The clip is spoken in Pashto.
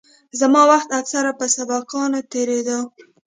زما وخت اکثره په سبقانو تېرېده.